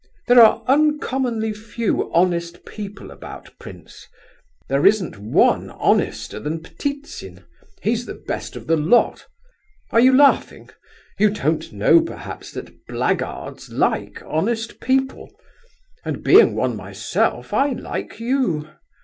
There are uncommonly few honest people about, prince; there isn't one honester than Ptitsin, he's the best of the lot. Are you laughing? You don't know, perhaps, that blackguards like honest people, and being one myself I like you.